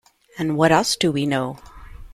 And what else do we know?